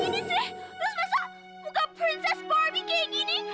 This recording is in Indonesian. terus besok muka prinses barbie kayak gini